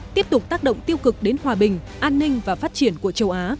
tiếp tục tác động tiêu cực đến hòa bình an ninh và phát triển của châu á